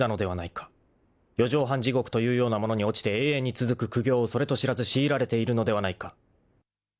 ［四畳半地獄というようなものに落ちて永遠に続く苦行をそれと知らず強いられているのではないか］